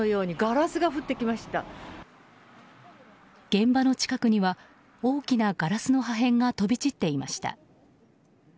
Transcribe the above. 現場の近くには大きなガラスの破片が飛び散っていました。